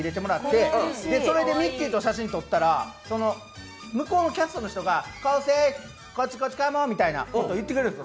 それでミッキーと写真撮ったら向こうのキャストの人がコウセイ、こっちカモンみたいに言ってくれるんですよ。